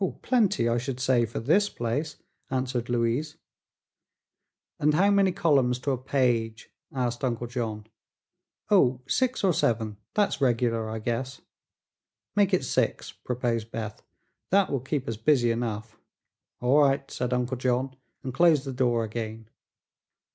"Plenty, I should say, for this place," answered Louise. "And how many columns to a page?" asked Uncle John. "Oh, six or seven. That's regular, I guess." "Make it six," proposed Beth. "That will keep us busy enough." "All right," said Uncle John, and closed the door again.